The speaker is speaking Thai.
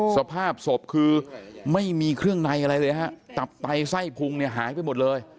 สภาพศพคือไม่มีเครื่องในอะไรเลยฮะตับไตไส้พุงเนี่ยหายไปหมดเลย